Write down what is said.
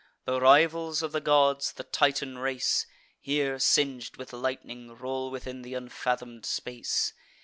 The rivals of the gods, the Titan race, Here, sing'd with lightning, roll within th' unfathom'd space.